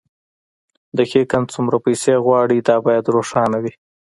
دقيقاً څومره پيسې غواړئ دا بايد روښانه وي.